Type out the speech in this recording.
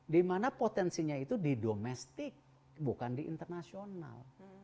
dimana potensinya itu di domestik bukan di internasional